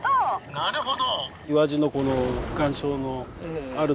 なるほど。